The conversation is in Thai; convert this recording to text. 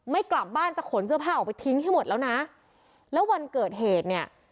ไม่กลับบ้านจะขนเสื้อผ้าออกไปทิ้งให้หมดแล้วนะแล้ววันเกิดเหตุเนี่ย